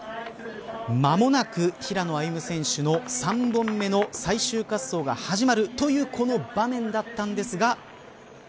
間もなく平野歩夢選手の３本目の最終滑走が始まるというこの場面だったんですが。